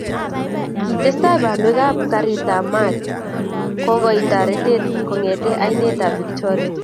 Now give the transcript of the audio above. kitesetai banwek kairt ab maat kokoito taretet kongete ainet ab Victoria